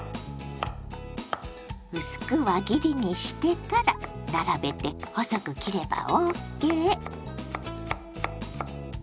薄く輪切りにしてから並べて細く切ればＯＫ。